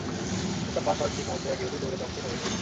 প্রস্তাব পাশ হওয়ার ঠিক মুহূর্তে এক ইহুদী দৌড়ে কক্ষে প্রবেশ করে।